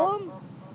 lancah tadi mudik